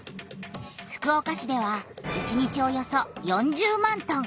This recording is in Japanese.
福岡市では１日およそ４０万トン！